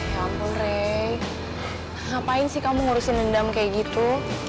ya ampun rey ngapain sih kamu ngurusin dendam kayak gitu